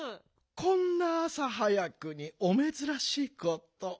こんなあさはやくにおめずらしいこと。